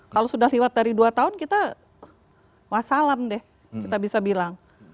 kalau sudah lewat dari dua tahun kita wassalam deh kita bisa bilang